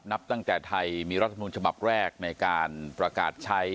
นับตั้งแต่ไทยมีรัฐมนุนฉบับแรกในการประกาศใช้